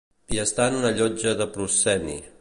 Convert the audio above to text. I estar en una llotja de prosceni.